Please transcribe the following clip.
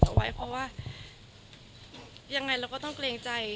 เอาไว้เพราะว่ายังไงเราก็ต้องเกรงใจ